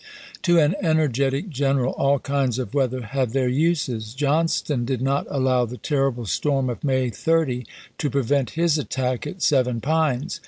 To an energetic general all kinds of weather have their uses. Johnston did not allow the terrible storm of May 30 to prevent his attack at Seven Pines; 1862..